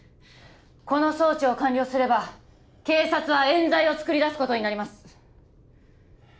この送致を完了すれば警察は冤罪をつくり出すことになります